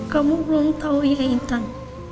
kamu belum tau ya ibtan